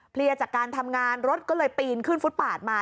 เลียจากการทำงานรถก็เลยปีนขึ้นฟุตปาดมา